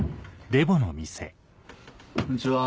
こんにちは。